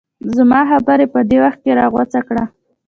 زما خبره یې په دې وخت کې راغوڅه کړه.